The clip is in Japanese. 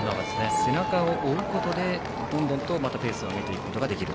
背中を追うことでどんどんとペースを上げていくことができると。